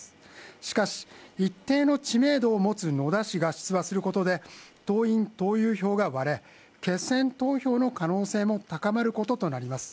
しかし、一定の知名度を持つ野田氏が出馬することで党員・党友票が割れ、決選投票の可能性も高まることとなります。